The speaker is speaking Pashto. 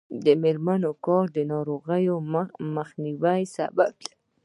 د میرمنو کار د ناروغیو مخنیوي سبب دی.